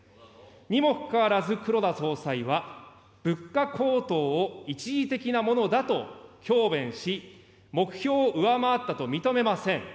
にもかかわらず、黒田総裁は物価高騰を一時的なものだと強弁し、目標を上回ったと認めません。